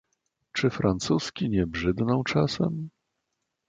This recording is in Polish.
"Czy Francuzki nie brzydną czasem?"